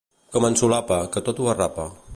Com en Solapa, que tot ho arrapa.